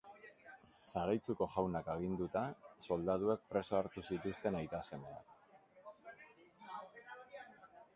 Zaraitzuko jaunak aginduta, soldaduek preso hartu zituzten aita-semeak.